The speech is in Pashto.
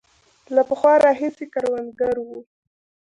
له پخوا راهیسې کروندګر وو.